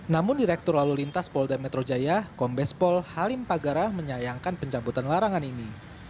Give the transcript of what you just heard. namun direktur lalu lintas pol dan metro jaya kombes pol halim pagarah menyayangkan pencabutan larangan ini